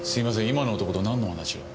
今の男となんの話を？